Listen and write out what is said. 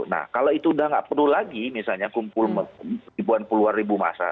nah kalau itu udah nggak perlu lagi misalnya kumpul ribuan puluhan ribu masa